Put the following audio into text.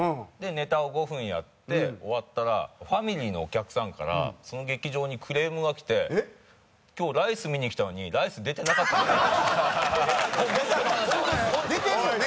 ネタを５分やって終わったらファミリーのお客さんからその劇場にクレームがきて今日ライス見に来たのに出てるよね？